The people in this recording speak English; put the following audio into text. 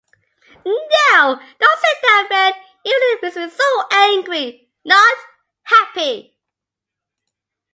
No, don't say that man! It really makes me so angry, not happy.